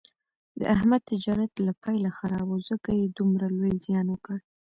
د احمد تجارت له پیله خراب و، ځکه یې دومره لوی زیان وکړ.